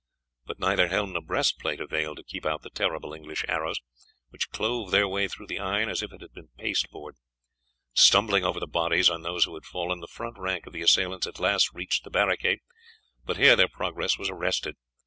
But neither helm nor breast plate availed to keep out the terrible English arrows, which clove their way through the iron as if it had been pasteboard. Stumbling over the bodies of those who had fallen, the front rank of the assailants at last reached the barricade, but here their progress was arrested.